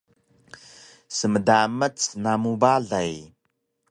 Smdamac namu balay!